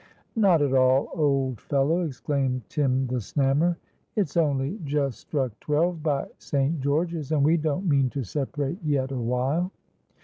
"Not at all, old fellow," exclaimed Tim the Snammer. "It's only just struck twelve by St. George's; and we don't mean to separate yet awhile."